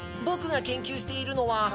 僕が研究しているのは。